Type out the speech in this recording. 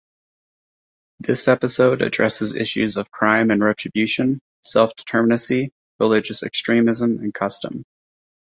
This episode addresses issues of crime and retribution, self-determinacy, religious extremism and custom.